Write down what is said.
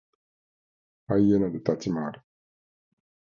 ハイエナで立ち回る。